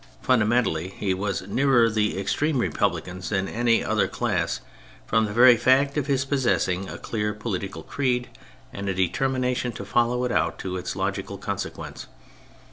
Fundamentally, he was nearer the extreme Republicans than any other class, from the very fact of his possessing a clear political creed and a deter mination to follow it out to its logical conse quence.